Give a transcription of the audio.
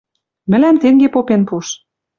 Мӹлӓм тенге попен пуш.